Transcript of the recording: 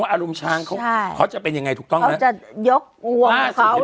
ใช่เพราะว่าอารมณ์ช้างเขาใช่เขาจะเป็นยังไงถูกต้องแล้วเขาจะยกอวงเขา